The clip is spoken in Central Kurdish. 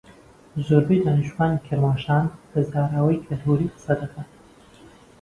زۆربەی دانیشتووانی کرماشان بە زاراوەی کەڵهوڕی قسەدەکەن.